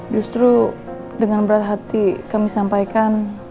justru dengan berat hati kami sampaikan